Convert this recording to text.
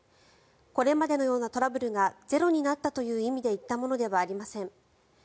これまでのようなトラブルがゼロになったという意味で言ったものではありません。